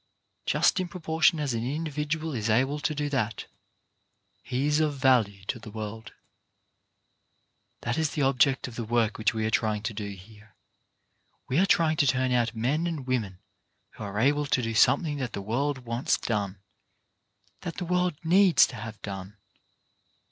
Just in proportion as an individual is able to do that, he is of value to the world. That is the object of the work which we are trying to do here. We are trying to turn out men and women who are able to do something that the world wants done, that the world needs to have done.